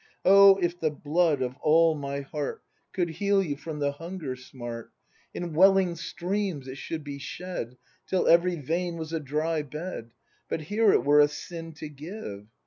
] Oh, if the blood of all my heart Could heal you from the hunger smart, In welling streams it should be shed. Till every vein was a dry bed. But here it were a sin to give!